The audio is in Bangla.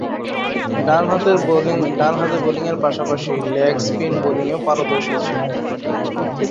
ডানহাতে ব্যাটিংয়ের পাশাপাশি লেগ স্পিন বোলিংয়ে পারদর্শী তিনি।